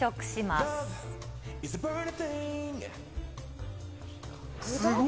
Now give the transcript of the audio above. すごい！